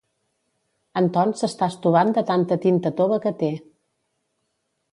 En Ton s'està estovant de tanta tinta tova que té.